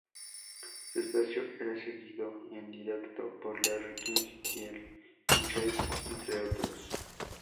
Su espacio era seguido en directo por Larry King y Al Michaels, entre otros.